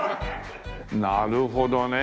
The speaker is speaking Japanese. なるほどね。